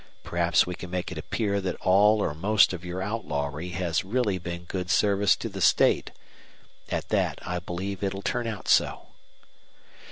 Perhaps we can make it appear that all or most of your outlawry has really been good service to the state. At that, I'll believe it'll turn out so."